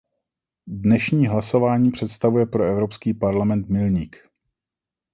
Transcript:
Dnešní hlasování představuje pro Evropský parlament milník.